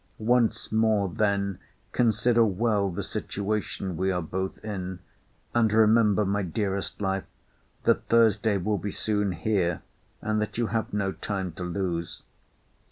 Once more, then, consider well the situation we are both in; and remember, my dearest life, that Thursday will be soon here; and that you have no time to lose.